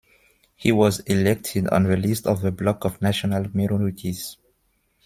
He was elected on the list of the Bloc of National Minorities.